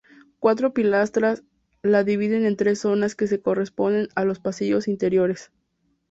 Cuatro pilastras la dividen en tres zonas que se corresponden con los pasillos interiores.